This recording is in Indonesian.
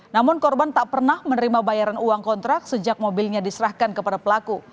namun korban tak pernah menerima bayaran uang kontrak sejak mobilnya diserahkan kepada pelaku